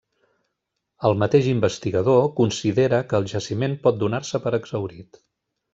El mateix investigador considera que el jaciment pot donar-se per exhaurit.